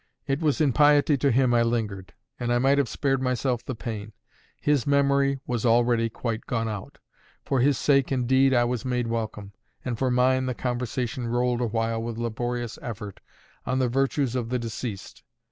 It was in piety to him I lingered; and I might have spared myself the pain. His memory was already quite gone out. For his sake, indeed, I was made welcome; and for mine the conversation rolled awhile with laborious effort on the virtues of the deceased.